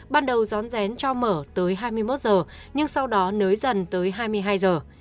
ban đầu gión rén cho mở tới hai mươi một giờ nhưng sau đó nới dần tới hai mươi hai giờ